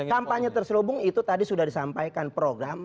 kampanye terselubung itu tadi sudah disampaikan program